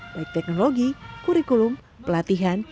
baik teknologi kurikulum pelatihan